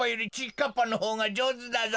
かっぱのほうがじょうずだぞ。